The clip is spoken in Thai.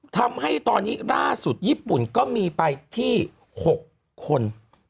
ทำให้ตอนนี้ล่าสุดญี่ปุ่นก็มีไปที่๖คน